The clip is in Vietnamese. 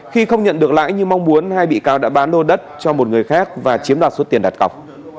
khi không nhận được lãi như mong muốn hai bị cáo đã bán lô đất cho một người khác và chiếm đoạt số tiền đặt cọc